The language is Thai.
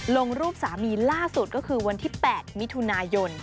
ลงรูปสามีล่าสุดก็คือวันที่๘มิถุนายน